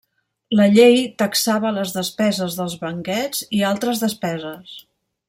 La llei taxava les despeses dels banquets i altres despeses.